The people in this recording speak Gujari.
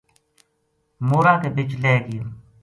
مورا کے بِچ لہہ گیو